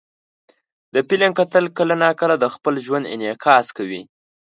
د فلم کتل کله ناکله د خپل ژوند انعکاس وي.